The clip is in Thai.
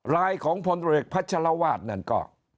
ลายของพลตรวจเอกพัชรวาสนั่นก็